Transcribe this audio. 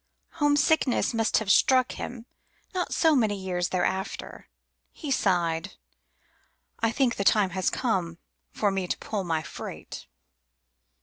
Homesickness must have struck him not so many years thereafter; He sighed: "I think the time has come for me to pull my freight."